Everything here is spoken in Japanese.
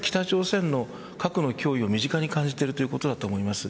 それはやっぱり北朝鮮の核の脅威を身近に感じているということだと思います。